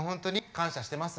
感謝してます。